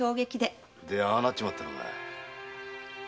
でああなっちまったのかい？